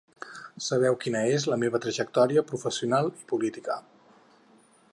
Sabeu quina és la meva trajectòria professional i política.